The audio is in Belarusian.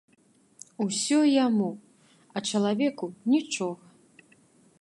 Усё яму, а чалавеку нічога.